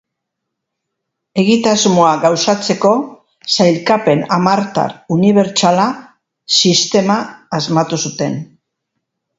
Egitasmoa gauzatzeko, Sailkapen Hamartar Unibertsala sistema asmatu zuten.